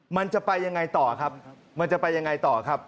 มันจะไปยังไงต่อครับ